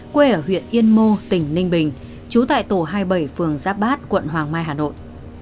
quê ở huyện yên mô tỉnh ninh bình trú tại tổ hai mươi bảy phường giáp bát quận hoàng mai hà nội